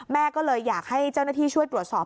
แม่ก็เลยอยากให้เจ้าหน้าที่ช่วยตรวจสอบ